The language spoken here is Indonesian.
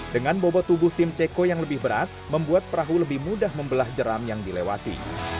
dengan bobot tubuh tim ceko yang lebih berat membuat perahu lebih mudah membelah jeram yang dilewati